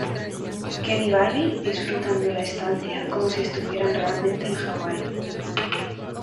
Ken y Barbie disfrutan de la estancia como si estuvieran realmente en Hawaii.